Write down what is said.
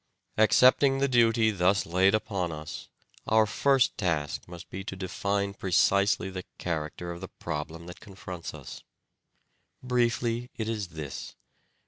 Problem Accepting the duty thus laid upon us, our first task must be to define precisely the character of the problem that confronts us. Briefly it is this.